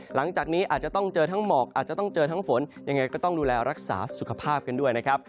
หลังจากนี้อาจจะต้องเจอทั้งหมอกอาจจะต้องเจอทั้งฝนยังไงก็ต้องดูแลรักษาสุขภาพกันด้วยนะครับ